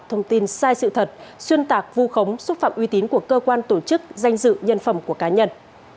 thông tin sai sự thật xuyên tạc vu khống xúc phạm uy tín của cơ quan tổ chức danh dự nhân phẩm của cá nhân